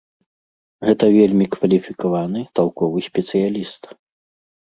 Гэта вельмі кваліфікаваны, талковы спецыяліст.